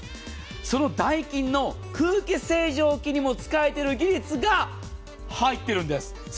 そのダイキンの空気清浄機にも使えている技術が入っているんです。